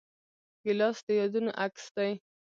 ګیلاس د یادونو عکس دی.